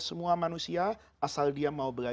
semua manusia asal dia mau belajar